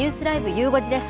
ゆう５時です。